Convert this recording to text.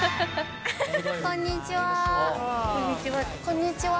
こんにちは。